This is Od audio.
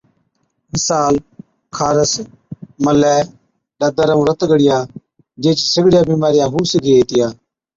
مثال، خارس، ملَي، ڏَدر، ائُون رت ڳڙِيا جھيچ سِڳڙِيا بِيمارِيا هُو سِگھي هِتِيا